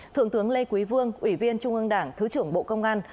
thượng tướng lê quý vương ủy viên trung ương đảng thứ trưởng bộ công an